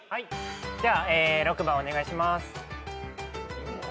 では６番お願いします。